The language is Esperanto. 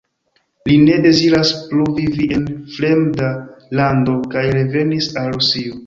Li ne deziras plu vivi en fremda lando kaj revenis al Rusio.